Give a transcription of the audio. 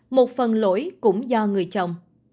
một phần lỗi cũng do người chồng